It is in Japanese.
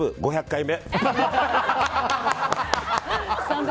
５００回目！